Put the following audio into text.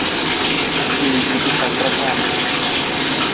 Ці паспеюць дапісаць праграмы?